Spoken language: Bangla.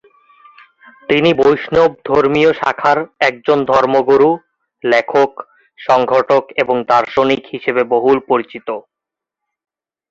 তিনি বৈষ্ণব ধর্মীয় শাখার একজন ধর্মগুরু, লেখক, সংগঠক এবং দার্শনিক হিসেবে বহুল পরিচিত।